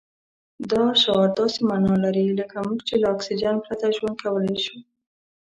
دا شعار داسې مانا لري لکه موږ چې له اکسجن پرته ژوند کولای شو.